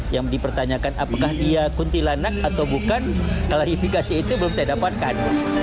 yang dipertanyakan apakah dia kuntilanak atau bukan klarifikasi itu belum saya dapatkan